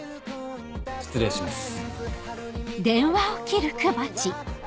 失礼します。